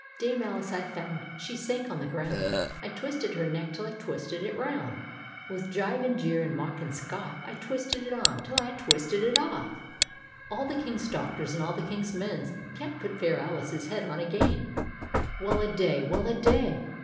Dame Alice I found, — She sank on the ground, I twisted her neck till I twisted it round! With jibe and jeer and mock and scoflt, I twisted it on — till I twisted it oS.\ — All the King's Doctors and all the King's Men Can't put fair Alice's head on agenl" "Well a day! wellra day!